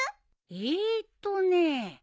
えーっとね。